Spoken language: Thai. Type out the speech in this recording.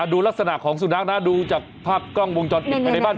ดูลักษณะของสุนัขนะดูจากภาพกล้องวงจรปิดภายในบ้าน